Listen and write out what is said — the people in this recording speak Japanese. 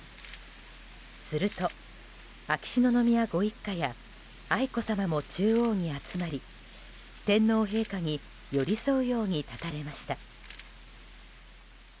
すると、秋篠宮ご一家や愛子さまも中央に集まり天皇陛下に寄り添うように立たれました。